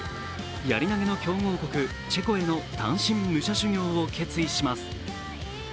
やり投げの強豪国・チェコへの単身武者修行を決意します。